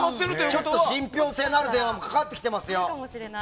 ちょっと信憑性のある電話もかかってきてますよ。